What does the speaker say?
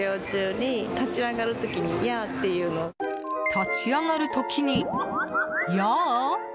立ち上がる時にヤー？